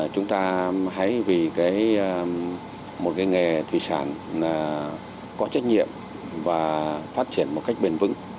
chúng ta hãy vì một nghề thủy sản có trách nhiệm và phát triển một cách bền vững